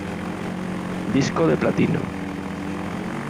Disco de Platino